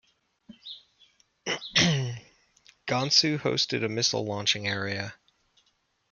Gansu hosted a missile launching area.